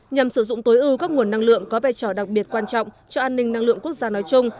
nhằm sử dụng tối ưu các nguồn năng lượng có vai trò đặc biệt quan trọng cho an ninh năng lượng quốc gia nói chung